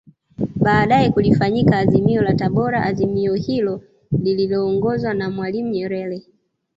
Baadae kulifanyika Azimio la Tabora Azimio hilo liliongozwa na Mwalimu Nyerere